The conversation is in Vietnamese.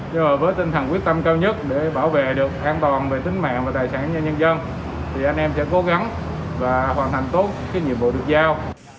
nhưng mà với tinh thần quyết tâm cao nhất để bảo vệ được an toàn về tính mạng và tài sản cho nhân dân thì anh em sẽ cố gắng và hoàn thành tốt cái nhiệm vụ được giao